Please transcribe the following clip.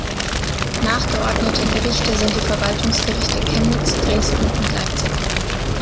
Nachgeordnete Gerichte sind die Verwaltungsgerichte Chemnitz, Dresden und Leipzig.